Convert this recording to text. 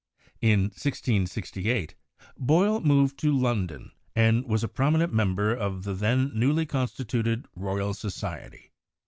In 1668 Boyle moved to London and was a promi nent member of the then newly constituted Royal Society.